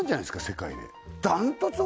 世界でダントツ